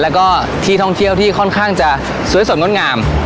แล้วก็ที่ท่องเที่ยวที่ค่อนข้างจะสวยสดงดงาม